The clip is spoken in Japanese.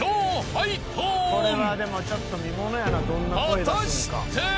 ［果たして！？］